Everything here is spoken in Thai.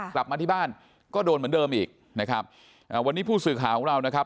กลับมาที่บ้านก็โดนเหมือนเดิมอีกนะครับอ่าวันนี้ผู้สื่อข่าวของเรานะครับ